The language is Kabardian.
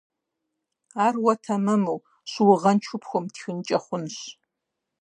Ар уэ тэмэму, щыуагъэншэу пхуэмытхынкӀэ хъунщ.